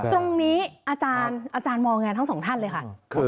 ตรงนี้อาจารย์มองไงทั้งสองท่านเลยค่ะ